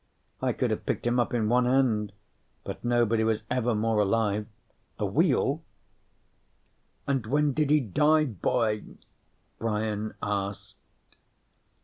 I could have picked him up in one hand, but nobody was ever more alive. The wheel?_ "And when did he die, boy?" Brian asked.